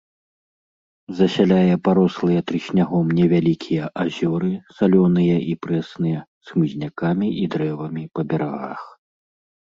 Засяляе парослыя трыснягом невялікія азёры, салёныя і прэсныя, з хмызнякамі і дрэвамі па берагах.